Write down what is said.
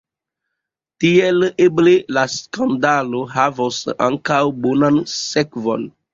Tiel eble la skandalo havos ankaŭ bonan sekvon.